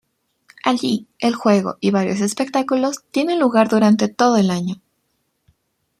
Allí, el juego y varios espectáculos tienen lugar durante todo el año.